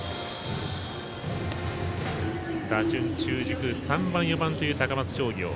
打順中軸３番、４番という高松商業。